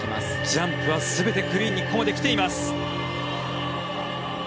ジャンプは全てクリーンにここまできています。